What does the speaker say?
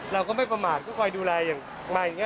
เราก็ไม่ประมาทก็คอยดูแลอย่างมาอย่างนี้